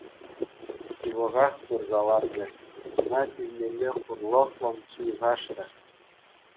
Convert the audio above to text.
Ҫывӑхах пырса ларчӗ, чуна тивмелле хурлӑхлӑн ҫуйхашрӗ.